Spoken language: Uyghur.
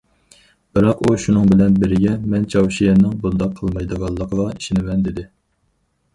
بىراق ئۇ شۇنىڭ بىلەن بىرگە مەن چاۋشيەننىڭ بۇنداق قىلمايدىغانلىقىغا ئىشىنىمەن دېدى.